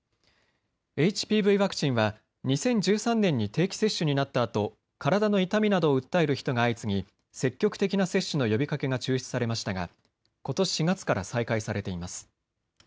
ＨＰＶワクチンは２０１３年に定期接種になったあと体の痛みなどを訴える人が相次ぎ積極的な接種の呼びかけが中止されましたがことし４月から再開されています。